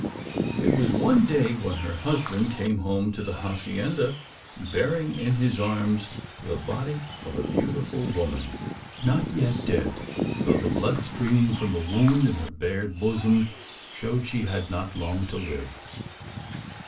It was one day when her husband came home to the hacienda bearing in his arms the body of a beautiful woman! Not yet dead; though the blood streaming from a wound in her bared bosom showed she had not long to live.